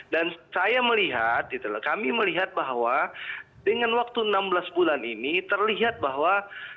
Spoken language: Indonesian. dan saya melihat kami melihat bahwa dengan waktu enam belas bulan ini terlihat bahwa